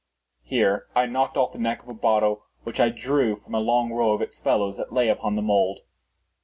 Here I knocked off the neck of a bottle which I drew from a long row of its fellows that lay upon the mould.